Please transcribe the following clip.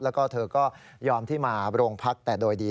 แล้วก็เธอก็ยอมที่มาโรงพักแต่โดยดี